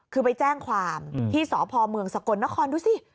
คือไปแจ้งความที่สพเมืองสกลนครดูสิ